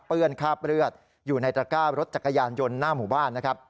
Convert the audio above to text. นคราบเลือดอยู่ในตระก้ารถจักรยานยนต์หน้าหมู่บ้านนะครับ